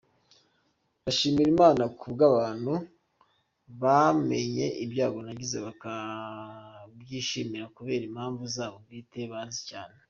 Ndashima Imana kubw’abantu bamenye ibyago nagize bakabyishimira kubera impamvu zabo bwite bazi cyane.